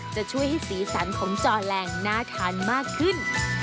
จะช่วยให้สีสันของจอแหล่งน่าทานมากขึ้น